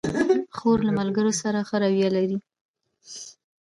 خور له ملګرو سره ښه رویه لري.